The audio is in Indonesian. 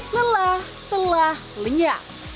lelah telah lenyap